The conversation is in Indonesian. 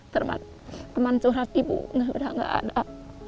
teman surat ibu sudah tidak ada